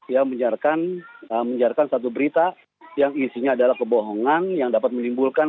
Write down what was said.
ya menyiarkan satu berita yang isinya adalah kebohongan yang dapat menimbulkan